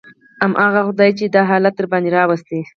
همغه خداى چې دغه حالت يې درباندې راوستى.